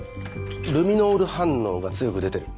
ルミノール反応が強く出てる。